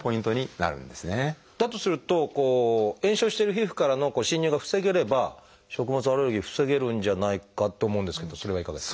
だとすると炎症してる皮膚からの侵入が防げれば食物アレルギー防げるんじゃないかと思うんですけどそれはいかがですか？